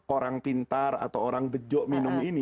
orang pintar atau orang bejo minum ini